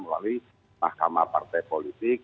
melalui mahkamah partai politik